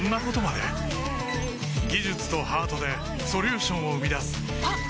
技術とハートでソリューションを生み出すあっ！